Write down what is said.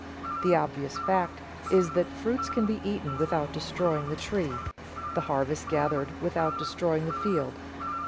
The obvious fact is that fruits can be eaten without destroying the tree, the harvest gathered without destroying the field.